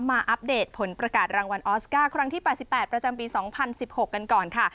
อัปเดตผลประกาศรางวัลออสการ์ครั้งที่๘๘ประจำปี๒๐๑๖กันก่อนค่ะ